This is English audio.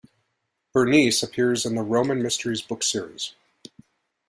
Berenice appears in the Roman Mysteries book series.